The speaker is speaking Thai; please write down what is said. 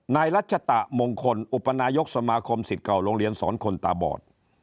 รัชตะมงคลอุปนายกสมาคมสิทธิ์เก่าโรงเรียนสอนคนตาบอด